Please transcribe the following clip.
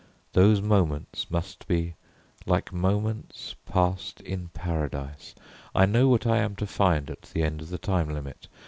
Those moments must be like moments passed in Paradise. I know what I am to find at the end of the time limit.